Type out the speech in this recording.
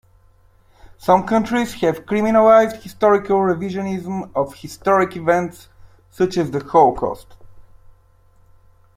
Some countries have criminalised historical revisionism of historic events such as the Holocaust.